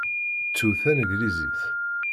Ttu taneglizit.